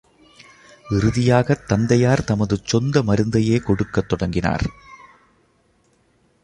இறுதியாகத் தந்தையார் தமது சொந்த மருந்தையே கொடுக்கத் தொடங்கினார்.